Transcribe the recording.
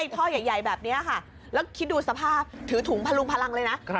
ท่อใหญ่แบบนี้ค่ะแล้วคิดดูสภาพถือถุงพลุงพลังเลยนะ